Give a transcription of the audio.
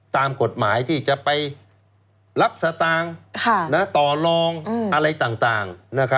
ตามกฎหมายที่จะไปรับสตางค์ต่อลองอะไรต่าง